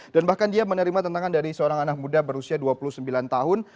dan bahkan dia menerima tentangan dari seorang anak muda berusia dua puluh sembilan tahun